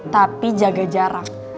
tapi jaga jarak